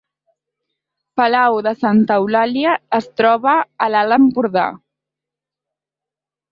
Palau de Santa Eulàlia es troba a l’Alt Empordà